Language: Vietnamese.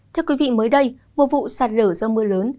thưa quý vị mới đây một vụ sạt lở do mưa lớn